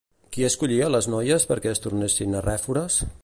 Qui escollia les noies perquè es tornessin arrèfores?